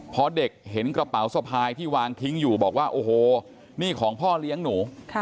พอเด็กเห็นกระเป๋าสะพายที่วางทิ้งอยู่บอกว่าโอ้โหนี่ของพ่อเลี้ยงหนู